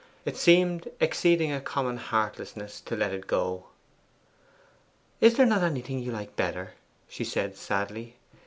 It seemed exceeding a common heartlessness to let it go. 'Is there not anything you like better?' she said sadly.